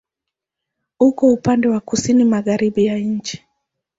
Uko upande wa kusini-magharibi ya nchi.